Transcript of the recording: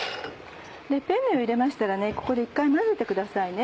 ペンネを入れましたらここで一回混ぜてくださいね。